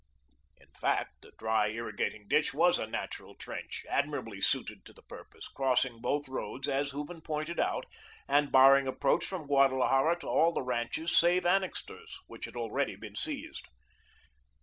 In fact, the dry irrigating ditch was a natural trench, admirably suited to the purpose, crossing both roads as Hooven pointed out and barring approach from Guadalajara to all the ranches save Annixter's which had already been seized.